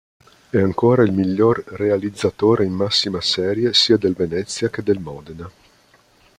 È ancora il miglior realizzatore in massima serie sia del Venezia che del Modena.